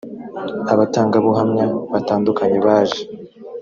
abatangabuhamya batandukanye baje